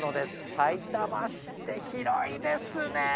さいたま市って広いですね！